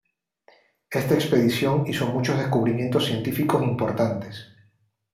Esta expedición hizo muchos descubrimientos científicos importantes.